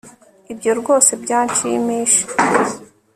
Ibyo rwose byanshimisha